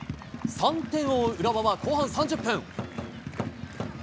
３点を追う浦和は後半３０分。